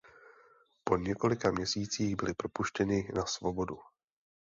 Po několika měsících byli propuštěni na svobodu.